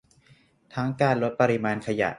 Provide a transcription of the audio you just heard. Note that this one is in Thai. ทั้งการลดปริมาณขยะ